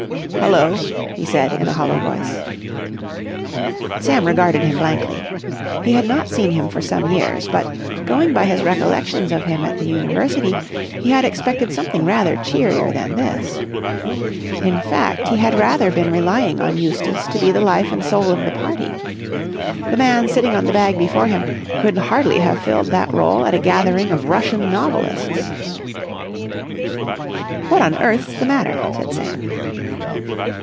"Hullo!" he said, in a hollow voice. Sam regarded him blankly. He had not seen him for some years, but, going by his recollections of him at the University, he had expected something cheerier than this. In fact, he had rather been relying on Eustace to be the life and soul of the party. The man sitting on the bag before him could hardly have filled that role at a gathering of Russian novelists. "What on earth's the matter?" said Sam.